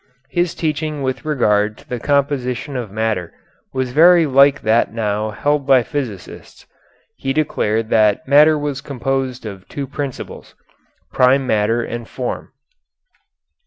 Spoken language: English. His teaching with regard to the composition of matter was very like that now held by physicists. He declared that matter was composed of two principles, prime matter and form.